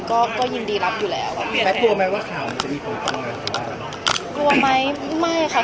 กลัวไหมไม่ค่ะ